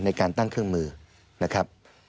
ในการตั้งเครื่องมือนะครับ